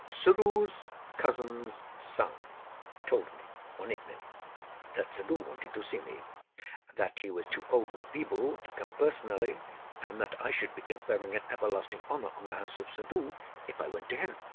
Suddhoo's cousin's son told me, one evening, that Suddhoo wanted to see me; that he was too old and feeble to come personally, and that I should be conferring an everlasting honor on the House of Suddhoo if I went to him.